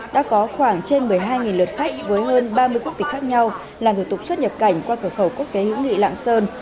đã có khoảng trên một mươi hai lượt khách với hơn ba mươi quốc tịch khác nhau làm thủ tục xuất nhập cảnh qua cửa khẩu quốc tế hữu nghị lạng sơn